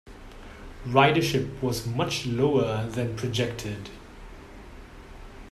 Ridership was much lower than projected.